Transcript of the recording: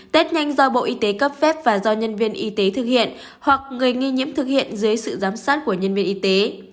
test nhanh do bộ y tế cấp phép và do nhân viên y tế thực hiện hoặc người nghi nhiễm thực hiện dưới sự giám sát của nhân viên y tế